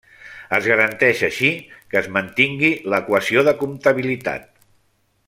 Es garanteix així que es mantingui l'equació de comptabilitat.